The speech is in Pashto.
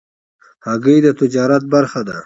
هګۍ د تجارت برخه ده.